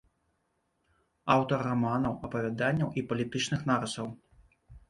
Аўтар раманаў, апавяданняў і палітычных нарысаў.